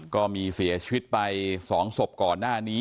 ก็มีเสียชีวิตไป๒ศพก่อนหน้านี้